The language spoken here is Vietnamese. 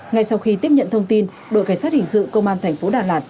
ngay sau khi tiếp nhận thông tin đội cảnh sát hình sự công an tp đà lạt